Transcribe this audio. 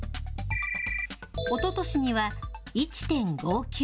おととしには１．５９。